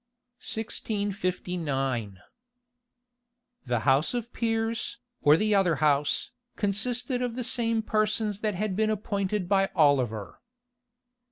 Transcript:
{1659.} The house of peers, or the other house, consisted of the same persons that had been appointed by Oliver.